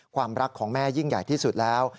ความรักของแม่ยิ่งใหญ่ที่สุดแล้ว